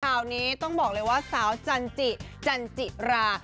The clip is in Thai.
ข่าวนี้ต้องบอกเลยว่าสาวจันจิจันจิรา